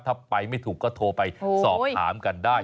ถ้าไปไม่ถูกก็โทรไปสอบถามกันได้